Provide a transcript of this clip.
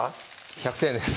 １００点です